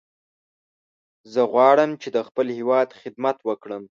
زه غواړم چې د خپل هیواد خدمت وکړم.